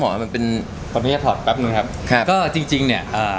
หมอมันเป็นก่อนที่จะถอดแป๊บหนึ่งครับครับก็จริงจริงเนี้ยอ่า